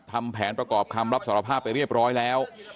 ทำแผนประกอบคำรับสารภาพไปเรียบร้อยแล้ว